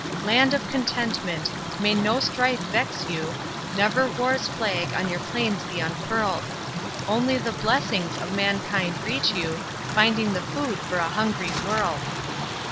Land of Contentment! May no strife vex you, Never war's flag on your plains be unfurl'd; Only the blessings of mankind reach you Finding the food for a hungry world!